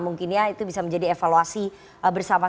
mungkin ya itu bisa menjadi evaluasi bersama